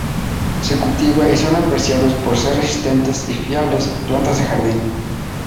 Se cultiva y son apreciados por ser resistentes y fiables plantas de jardín.